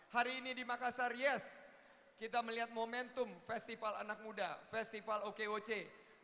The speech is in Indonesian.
hari ini di makassar yes kita melihat momentum festival anak muda festival okoc